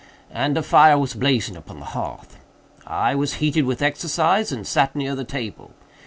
and a fire was blazing upon the hearth. I was heated with exercise and sat near the table.